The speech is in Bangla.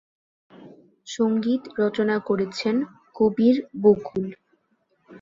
সঙ্গীত রচনা করেছেন কবির বকুল।